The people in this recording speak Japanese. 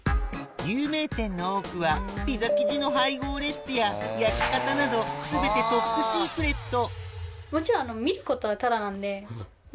有名店の多くはピザ生地の配合レシピや焼き方など全てもちろん。